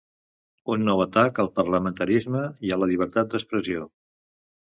Un nou atac al parlamentarisme i a la llibertat d’expressió.